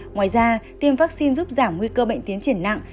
ngoài ra tiêm vaccine giúp giảm nguy cơ bệnh tiến triển nặng